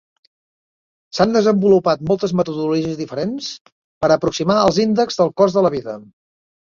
S'han desenvolupat moltes metodologies diferents per aproximar els índexs del cost de la vida.